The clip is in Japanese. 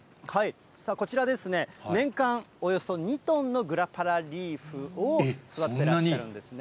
こちらですね、年間およそ２トンのグラパラリーフを育ててらっしゃるんですね。